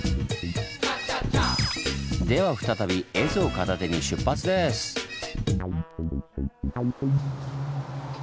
では再び絵図を片手に出発です！ね！